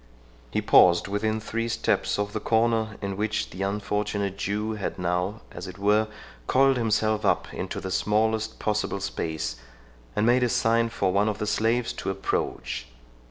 He paused within three steps of the corner in which the unfortunate Jew had now, as it were, coiled himself up into the smallest possible space, and made a sign for one of the slaves to approach.